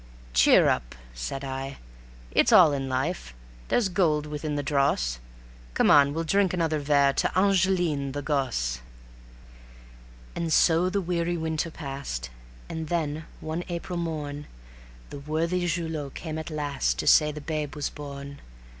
"Cheer up," said I; "it's all in life. There's gold within the dross. Come on, we'll drink another verre to Angeline the gosse." And so the weary winter passed, and then one April morn The worthy Julot came at last to say the babe was born.